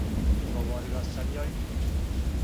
Говорила сам јој.